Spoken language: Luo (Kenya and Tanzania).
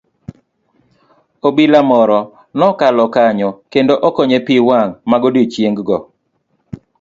Obila moro nokalo kanyo kendo okonye pii wang' magodiochieng' go.